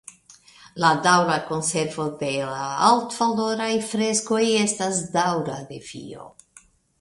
La daŭra konservo de la altvaloraj freskoj estas daŭra defio.